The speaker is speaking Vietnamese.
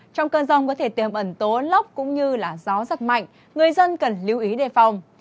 trong cơn rông có thể tìm ẩn tố lóc cũng như là gió giật mạnh người dân cần lưu ý đề phòng